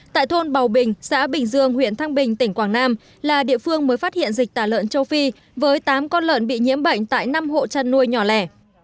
tại thôn bào bình xã bình dương huyện thăng bình tỉnh quảng nam là địa phương mới phát hiện dịch tả lợn châu phi với tám con lợn bị nhiễm bệnh tại năm hộ chăn nuôi nhỏ lẻ